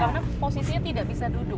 karena posisinya tidak bisa duduk